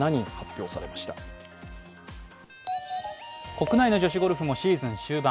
国内の女子ゴルフもシーズン終盤。